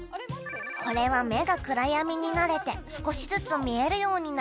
「これは目が暗闇に慣れて少しずつ見えるようになる」